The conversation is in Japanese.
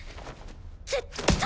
絶対。